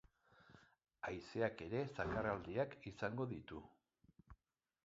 Haizeak ere zakarraldiak izango ditu.